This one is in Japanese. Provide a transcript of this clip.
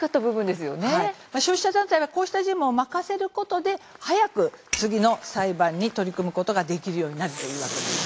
消費者団体はこうした事務を任せることで早く次の裁判に取り組むことができるようになるというわけなんです。